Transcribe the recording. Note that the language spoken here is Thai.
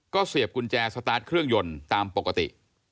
ก็เสียบกุญแจสตาร์ทเครื่องยนต์ตามปกติ